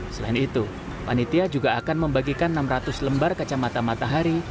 selain itu panitia juga akan membagikan enam ratus lembar kacamata matahari